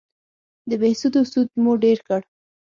د بهسودو سود مو ډېر کړ